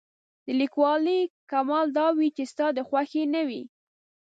د لیکوالۍ کمال دا وي چې ستا د خوښې نه وي.